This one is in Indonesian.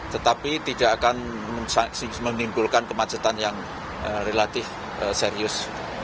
tetapi tidak akan menimbulkan kemacetan yang relatif serius